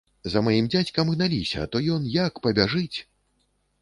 За маім дзядзькам гналіся, то ён як пабяжыць!